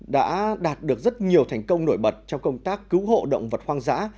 đã đạt được rất nhiều thành công nổi bật trong công tác cứu hộ động vật hoang dã